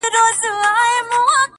په تهمتونو کي بلا غمونو,